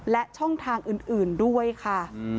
และช่องทางอื่นด้วยค่ะ